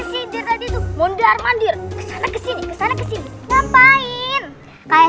udah ngapain sih tadi tuh mondar mandir kesana kesini kesana kesini ngapain kayak